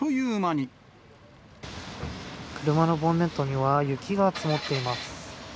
車のボンネットには雪が積もっています。